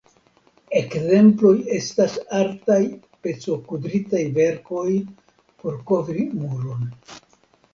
Ekzemploj estas artaj pecokudritaj verkoj por kovri muron.